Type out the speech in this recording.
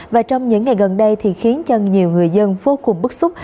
và trong những ngày gần đây thì khiến cho nhiều người dân vô cùng bức xúc